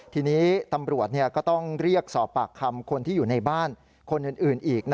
ทีนี้ตำรวจก็ต้องเรียกสอบปากคำคนที่อยู่ในบ้านคนอื่นอีก